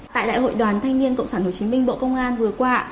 tại đại hội đoàn thanh niên cộng sản hồ chí minh bộ công an vừa qua